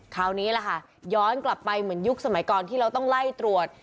คราวนี้แหละค่ะย้อนกลับไปเหมือนยุคสมัยก่อนที่เราต้องไล่ตรวจ